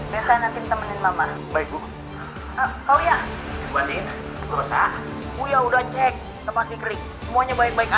biasa nanti temenin mama baik bu kau ya buatin kosa udah cek pasti kering semuanya baik baik aja